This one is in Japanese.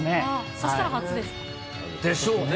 そしたら初ですか？でしょうね。